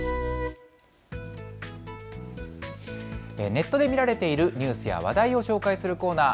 ネットで見られているニュースや話題を紹介するコーナー。